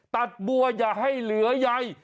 ตัดบัวอย่าให้เหลือใย